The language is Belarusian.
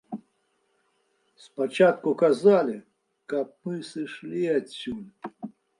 Спачатку казалі, каб мы сышлі адсюль.